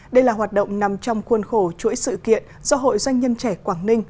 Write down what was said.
đây là hoạt động nằm trong khuôn khổ chuỗi sự kiện do hội doanh nhân trẻ quảng ninh